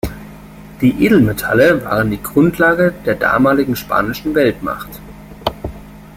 Die Edelmetalle waren die Grundlage der damaligen spanischen Weltmacht.